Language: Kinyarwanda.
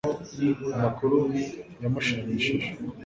amakuru yamushimishije